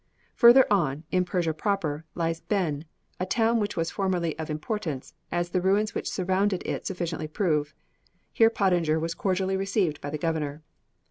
Further on, in Persia proper, lies Benn, a town which was formerly of importance, as the ruins which surround it sufficiently prove. Here Pottinger was cordially received by the governor.